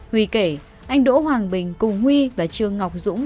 huy kể anh đỗ hoàng bình cùng huy và trương ngọc dũng